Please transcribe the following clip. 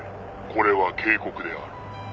「これは警告である」